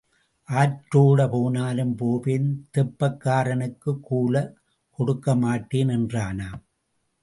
ஆற்றோடே போனாலும் போவேன் தெப்பக்காரனுக்குக் கூல கொடுக்க மாட்டேன் என்றானாம்,